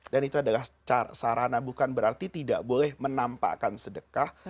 dan itu adalah sarana bukan berarti tidak boleh menampakan sedekah